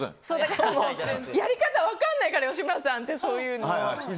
やり方、分かんないから吉村さんってそういうのを。